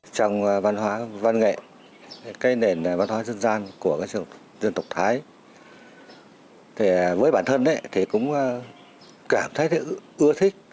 trong văn hóa văn nghệ cây nền văn hóa dân gian của dân tộc thái với bản thân thì cũng cảm thấy ưa thích